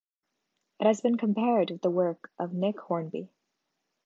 It has been compared with the work of Nick Hornby.